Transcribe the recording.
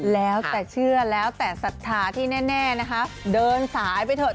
แล้วแต่เชื่อแล้วแต่ศรัทธาที่แน่นะคะเดินสายไปเถอะ